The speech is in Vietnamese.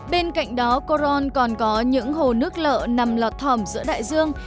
bên cạnh đó coron còn có những hồ nước lợ nằm lọt thỏm giữa đại dương